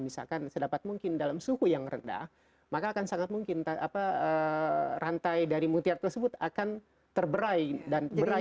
misalkan sedapat mungkin dalam suhu yang rendah maka akan sangat mungkin rantai dari mutiar tersebut akan terberai dan berai